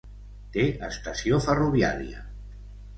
Té estació ferroviària.